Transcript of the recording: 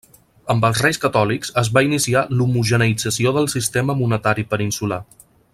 Amb els Reis Catòlics es va iniciar l'homogeneïtzació del sistema monetari peninsular.